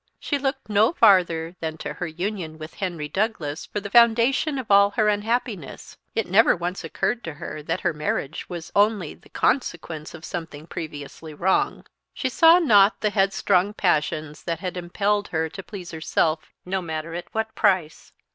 _ She looked no farther than to her union with Henry Douglas for the foundation of all her unhappiness; it never once occurred to her that her marriage was only the consequence of something previously wrong; she saw not the headstrong passions that had impelled her to please herself no matter at what price.